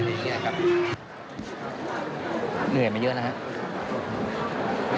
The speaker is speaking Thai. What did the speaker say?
เหนื่อยมาเยอะนะครับ